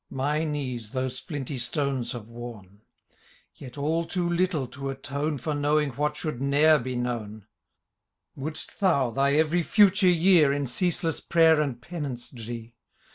My knees those flinty stones have worn ; Yet all too little to atone For knowing what should ne'er be known Would'st thou thy every future year In ceaseless prayer and penance drie.